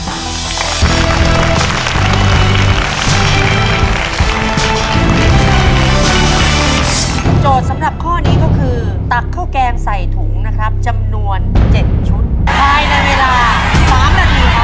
ท้ายในเวลา๓นาทีครับ